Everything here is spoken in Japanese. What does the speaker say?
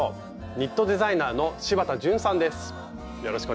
ニットデザイナーの柴田淳さんです。